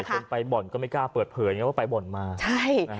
ส่วนใหญ่คนไปบ่อนก็ไม่กล้าเปิดเผยอย่างนี้ก็ไปบ่อนมา